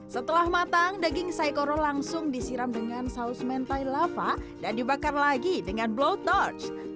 setelah matang daging saikoro langsung disiram dengan saus mentai lava dan dibakar lagi dengan blow torch